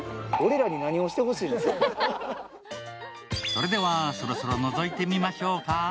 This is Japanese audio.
それでは、そろそろのぞいてみましょうか。